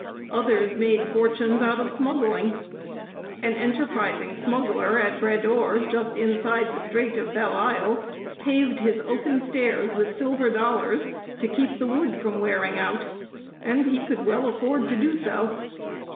Others made fortunes out of smuggling. An enterprising smuggler at Bradore, just inside the Strait of Belle Isle, paved his oaken stairs with silver dollars to keep the wood from wearing out; and he could well afford to do so.